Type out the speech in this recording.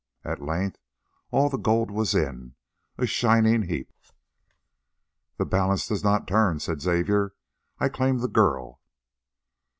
At length all the gold was in, a shining heap. "The balance does not turn," said Xavier; "I claim the girl."